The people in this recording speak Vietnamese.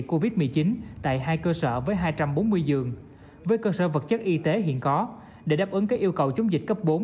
covid một mươi chín tại hai cơ sở với hai trăm bốn mươi giường với cơ sở vật chất y tế hiện có để đáp ứng các yêu cầu chống dịch cấp bốn